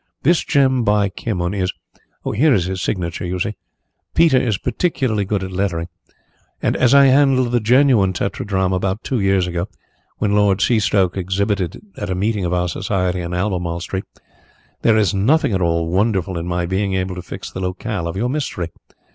This gem by Kimon is here is his signature, you see; Peter is particularly good at lettering and as I handled the genuine tetradrachm about two years ago, when Lord Seastoke exhibited it at a meeting of our society in Albemarle Street, there is nothing at all wonderful in my being able to fix the locale of your mystery.